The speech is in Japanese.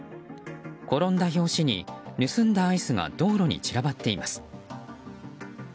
転んだ拍子に盗んだアイスが道路に散らばっています。